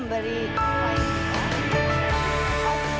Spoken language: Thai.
ของบัญชีทุกคน